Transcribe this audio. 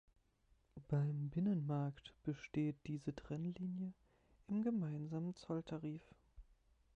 Beim Binnenmarkt besteht diese Trennlinie im gemeinsamen Zolltarif.